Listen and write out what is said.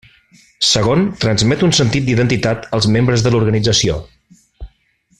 Segon, transmet un sentit d'identitat als membres de l'organització.